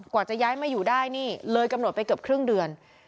จะย้ายมาอยู่ได้นี่เลยกำหนดไปเกือบครึ่งเดือน